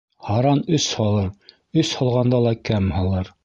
Һаран өс һалыр, өс һалғанда ла кәм һалыр.